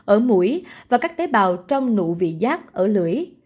ở mũi và các tế bào trong nụ vị giác ở lưỡi